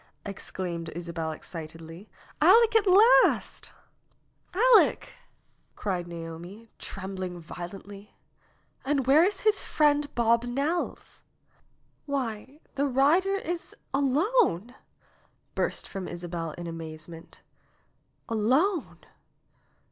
exclaimed Isabel excitedly. "Aleck at last !" "Aleck!" cried Naomi, trembling violently. "And where is his friend, Bob Nelles?" "Why, the rider is alone !" burst from Isabel in amaze ment. "Alone